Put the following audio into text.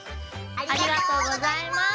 ありがとうございます。